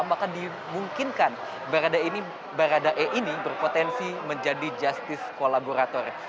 maka dimungkinkan baradae ini berpotensi menjadi jangkaan